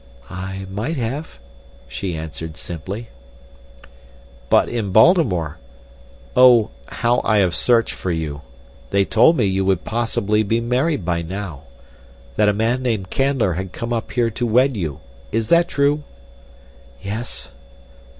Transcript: "I might have," she answered, simply. "But in Baltimore—Oh, how I have searched for you—they told me you would possibly be married by now. That a man named Canler had come up here to wed you. Is that true?" "Yes."